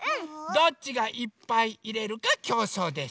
どっちがいっぱいいれるかきょうそうです。